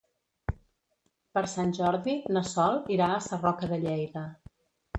Per Sant Jordi na Sol irà a Sarroca de Lleida.